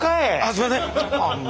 すみません。